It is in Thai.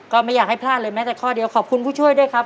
ก็ไม่อยากให้พลาดเลยแม้แต่ข้อเดียวขอบคุณผู้ช่วยด้วยครับ